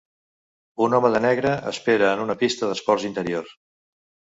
Un home de negre espera en una pista d'esports interior.